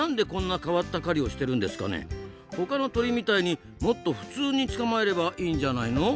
ほかの鳥みたいにもっと普通に捕まえればいいんじゃないの？